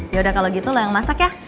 yaudah kalo gitu lo yang masak ya